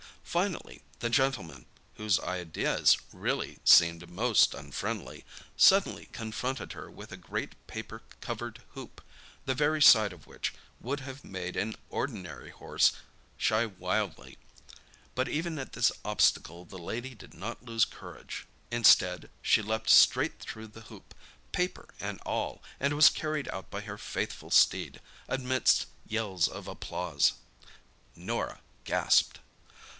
Finally, the gentleman—whose ideas really seemed most unfriendly—suddenly confronted her with a great paper covered hoop, the very sight of which would have made an ordinary horse shy wildly—but even at this obstacle the lady did not lose courage. Instead, she leaped straight through the hoop, paper and all, and was carried out by her faithful steed, amidst yells of applause. Norah gasped.